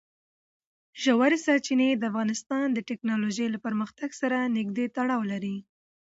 ژورې سرچینې د افغانستان د تکنالوژۍ له پرمختګ سره نږدې تړاو لري.